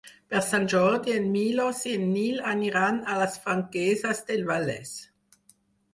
Per Sant Jordi en Milos i en Nil aniran a les Franqueses del Vallès.